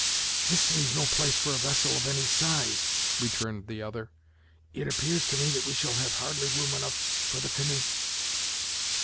"This seems no place for a vessel of any size," returned the other; "it appears to me that we shall have hardly room enough for the canoe."